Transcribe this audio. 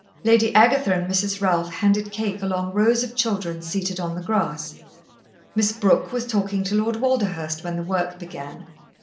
Lady Agatha and Mrs. Ralph handed cake along rows of children seated on the grass. Miss Brooke was talking to Lord Walderhurst when the work began.